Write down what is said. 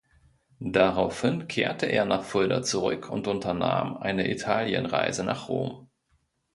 Daraufhin kehrte er nach Fulda zurück und unternahm eine Italienreise nach Rom.